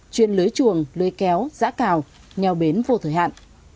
chuyên lưới chuồng lưới kéo giã cào nheo bến vô thời hạn